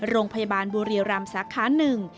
โรงพยาบาลบัวเรียรัมศ์สาขานึง